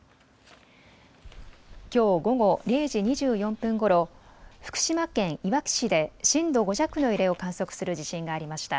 きょう午後０時２４分ごろ、福島県いわき市で震度５弱の揺れを観測する地震がありました。